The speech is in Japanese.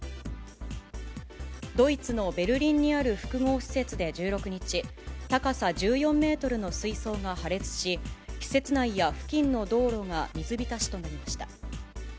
ドイツのベルリンにある複合施設で１６日、高さ１４メートルの水槽が破裂し、施設内や付近の道路が水浸しとなりました。